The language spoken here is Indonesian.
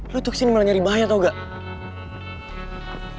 lo tuh kesini malah nyari bahaya tau gak